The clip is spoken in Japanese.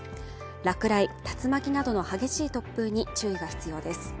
落雷、竜巻などの激しい突風に注意が必要です